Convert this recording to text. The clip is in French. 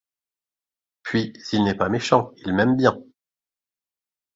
Puis, il n'est pas méchant, il m'aime bien.